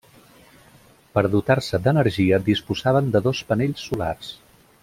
Per dotar-se d'energia disposaven de dos panells solars.